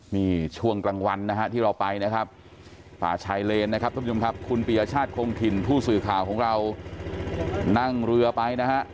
นี่ช่วงกลางวันนะฮะที่เราไปนะครับป่าชายเลนนะครับท่านผู้ชมครับคุณปียชาติคงถิ่นผู้สื่อข่าวของเรานั่งเรือไปนะฮะ